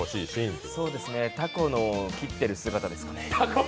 たこを切っているシーンですかね。